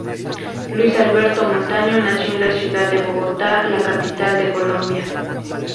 Luis Alberto Montaño nació en la ciudad de Bogotá, la capital de Colombia.